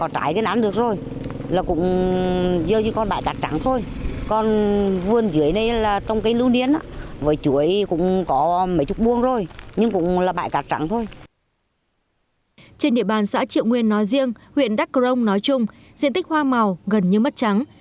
trên địa bàn xã triệu nguyên nói riêng huyện đắc crông nói chung diện tích hoa màu gần như mất trắng